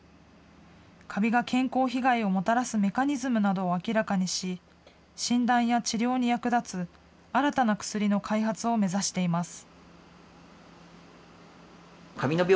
カビが健康被害をもたらすメカニズムなどを明らかにし、診断や治療に役立つ新たな薬の開発を目指しています。